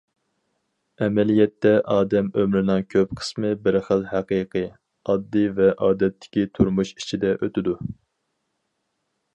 ئەمەلىيەتتە، ئادەم ئۆمرىنىڭ كۆپ قىسمى بىر خىل ھەقىقىي، ئاددىي ۋە ئادەتتىكى تۇرمۇش ئىچىدە ئۆتىدۇ.